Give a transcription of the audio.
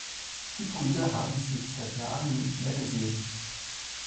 Die Brüder haben sich seit Jahren nicht mehr gesehen.